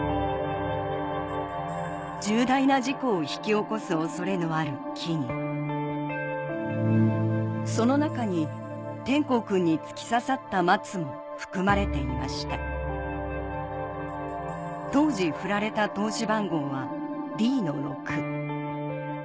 重大な事故を引き起こす恐れのある木々その中に皇くんに突き刺さった松も含まれていました当時振られた通し番号は「Ｄ−６」